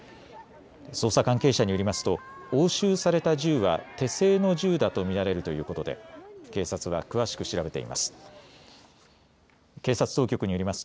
捜査関係者によりますと押収された銃は手製の銃だと見られるということで警察は詳しく調べています。